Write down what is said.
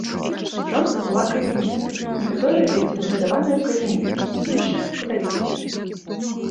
Жонка была кальвіністкай, некаторыя дзеці выгадаваныя ў кальвінізме, іншыя ў каталіцтве.